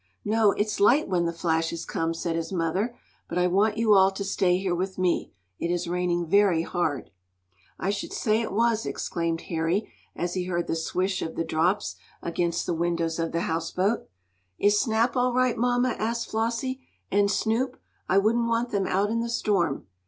"No, it's light when the flashes come," said his mother. "But I want you all to stay here with me. It is raining very hard." "I should say it was!" exclaimed Harry, as he heard the swish of the drops against the windows of the houseboat. "Is Snap all right, mamma?" asked Flossie. "And Snoop? I wouldn't want them out in the storm."